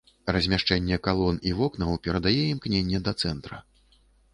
Размяшчэнне калон і вокнаў перадае імкненне да цэнтра.